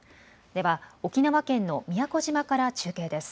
では沖縄県の宮古島から中継です。